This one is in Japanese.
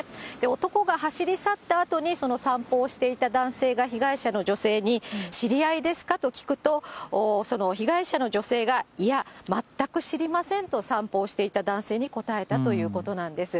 男が走り去ったあとに、その散歩をしていた男性が被害者の女性に知り合いですか？と聞くと、その被害者の女性がいや、全く知りませんと散歩をしていた男性に答えたということなんです。